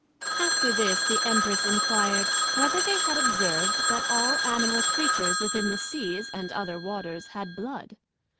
After this, the Empress enquired, Whether they had observed, that all Animal Creatures within the Seas and other waters, had blood?